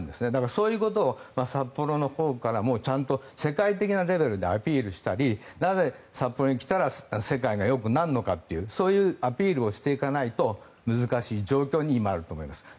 そういうことを札幌のほうから世界的なレベルでアピールしたりなぜ、札幌に来たら世界がよくなるのかというそういうアピールをしていかないと難しい状況に今、あると思います。